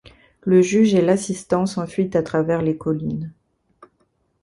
Le juge et l'assistant s'enfuient à travers les collines.